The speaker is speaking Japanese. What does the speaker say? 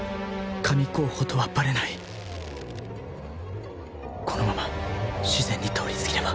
神候補とはバレないこのまま自然に通り過ぎれば